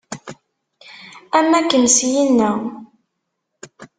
Am akken syinna.